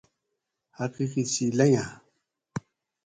حقیقت شی لنگاۤ